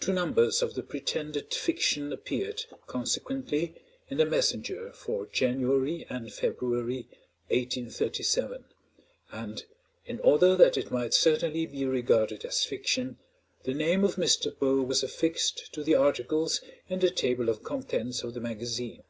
Two numbers of the pretended fiction appeared, consequently, in the "Messenger" for January and February (1837), and, in order that it might certainly be regarded as fiction, the name of Mr. Poe was affixed to the articles in the table of contents of the magazine.